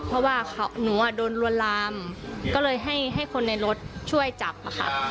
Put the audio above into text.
เพราะว่าหนูอ่ะโดนลวนลามก็เลยให้คนในรถช่วยจับค่ะ